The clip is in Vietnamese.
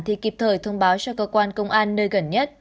thì kịp thời thông báo cho cơ quan công an nơi gần nhất